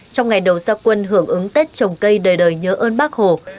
trong ngày đầu gia quân hưởng ứng tết trồng cây đời đời nhớ ơn bác hồ